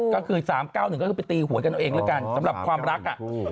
ก็คือ๓๙๑ก็คือไปตีหวยกันเอาเองแล้วกันสำหรับความรัก